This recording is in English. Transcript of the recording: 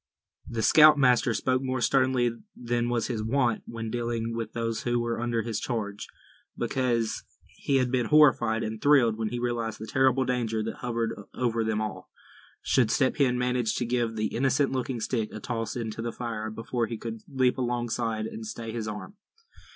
The scoutmaster spoke more sternly than was his wont when dealing with those who were under his charge; because he had been horrified and thrilled when he realized the terrible danger that hovered over them all, should Step Hen manage to give the innocent looking stick a toss into the fire, before he could leap alongside, and stay his arm.